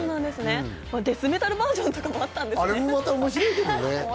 デスメタルバージョンとかもあったんですね。